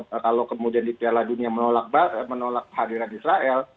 nah kalau kemudian di piala dunia menolak hadirat israel